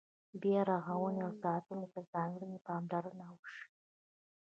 بیا رغونې او ساتنې ته ځانګړې پاملرنه وشي.